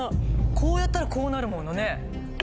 こうやったらこうなるものね。